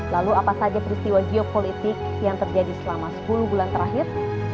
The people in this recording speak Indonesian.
lalu apa saja peristiwa geopolitik yang terjadi selama sepuluh bulan terakhir